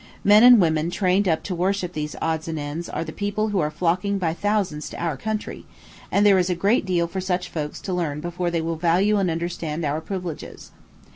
Men and women trained up to worship these odds and ends are the people who are flocking by thousands to our country; and there is a great deal for such folks to learn before they will value and understand our privileges.